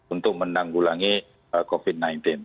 untuk menanggulangi covid sembilan belas